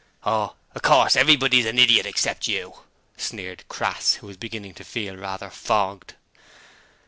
'Oh, of course everybody's an idjit except you,' sneered Crass, who was beginning to feel rather fogged.